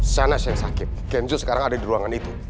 sanas yang sakit kenzo sekarang ada di ruangan itu